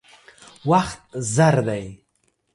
وخت زر دی.